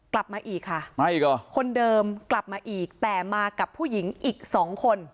กลับมาอีกค่ะมาอีกเหรอคนเดิมกลับมาอีกแต่มากับผู้หญิงอีกสองคน